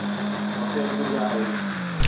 هتي ڪجهه آهي.